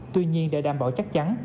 tuy nhiên để đảm bảo chắc chắn